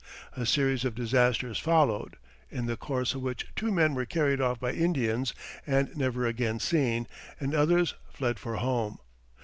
A series of disasters followed, in the course of which two men were carried off by Indians and never again seen, and others fled for home.